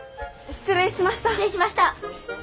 失礼しました。